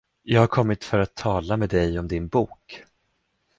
Jag har kommit för att tala med dig om din bok.